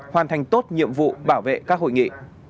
hoàn thành tốt nhiệm vụ bảo vệ các hội nghị